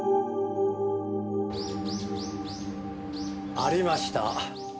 「」ありました。